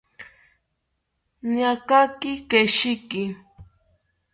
Niataki keshiki